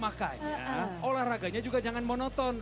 makanya olahraganya juga jangan monoton